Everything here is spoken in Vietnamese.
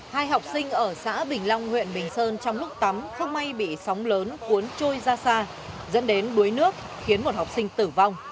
hai học sinh ở xã bình long huyện bình sơn trong lúc tắm không may bị sóng lớn cuốn trôi ra xa dẫn đến đuối nước khiến một học sinh tử vong